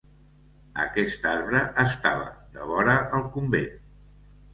Aquest arbre estava devora el convent.